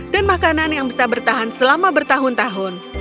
dan makanan yang bisa bertahan selama bertahun tahun